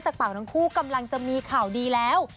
เป่าทั้งคู่กำลังจะมีข่าวดีแล้ว